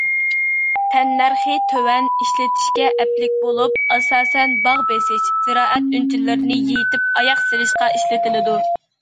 تەننەرخى تۆۋەن، ئىشلىتىشكە ئەپلىك بولۇپ، ئاساسەن باغ بېسىش، زىرائەت ئۈنچىلىرىنى يېيىتىپ ئاياق سېلىشقا ئىشلىتىلىدۇ.